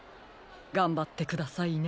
がんばってくださいね。